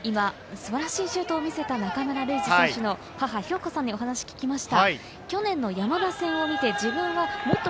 素晴らしいシュートを見せた中村ルイジ選手の母・ひろこさんにお話を聞きました。